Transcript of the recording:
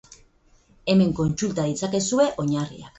Hemen kontsulta ditzakezue oinarriak.